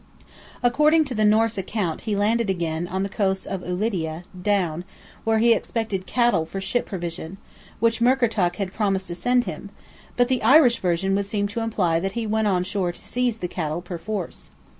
According to the Norse account he landed again on the coast of Ulidia (Down), where he expected "cattle for ship provision," which Murkertach had promised to send him, but the Irish version would seem to imply that he went on shore to seize the cattle perforce.